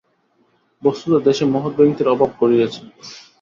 বস্তুত দেশে মহৎ ব্যক্তির অভাব ঘটিয়াছে।